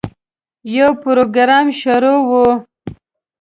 یو پروګرام شروع و.